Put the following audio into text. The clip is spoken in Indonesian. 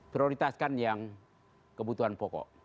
prioritaskan yang kebutuhan pokok